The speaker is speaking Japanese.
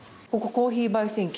コーヒー焙煎機？